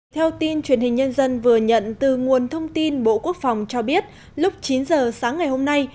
theo tin truyền hình nhân dân vừa nhận từ nguồn thông tin bộ quốc phòng cho biết lúc chín giờ sáng ngày hôm nay